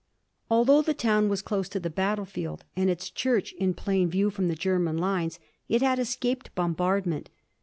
Although the town was close to the battlefield and its church in plain view from the German lines, it had escaped bombardment.